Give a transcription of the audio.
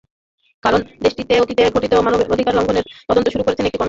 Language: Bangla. কারণ দেশটিতে অতীতে সংঘটিত মানবাধিকার লঙ্ঘনের তদন্ত শুরু করেছে একটি কমিশন।